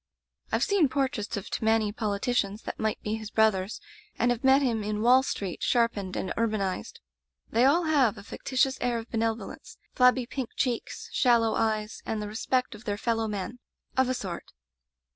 "I've seen portraits of Tammany politi cians that might be his brothers, and have met him in Wall Street, sharpened and ur banized. They all have a factitious air of benevolence, flabby pink cheeks, shallow Digitized by LjOOQ IC Interventions eyes, and the respect of their fellow men — of a sort.